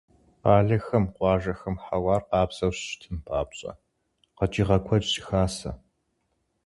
Къалэхэм, къуажэхэм хьэуар къабззу щыщытын папщӀэ, къэкӀыгъэ куэд щыхасэ.